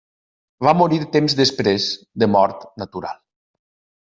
Va morir temps després de mort natural.